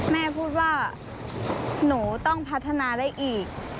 แม่พูดว่าหนูต้องพัฒนาได้อีก